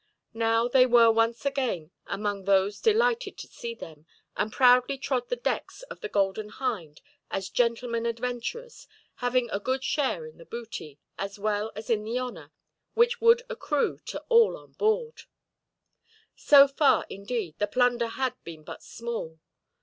Now they were once again among those delighted to see them, and proudly trod the decks of the Golden Hind as gentlemen adventurers, having a good share in the booty, as well as in the honor, which would accrue to all on board. So far, indeed, the plunder had been but small.